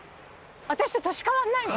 私と年変わんないの？